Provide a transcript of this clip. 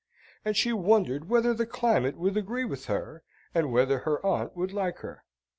And she wondered whether the climate would agree with her, and whether her aunt would like her?